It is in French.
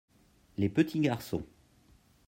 les petits garçons.